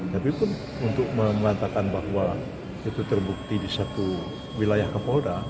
tapi pun untuk mengatakan bahwa itu terbukti di satu wilayah kapolda